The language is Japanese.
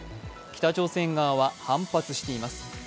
北朝鮮側は反発しています。